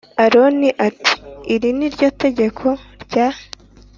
Aroni ati iri ni ryo tegeko rya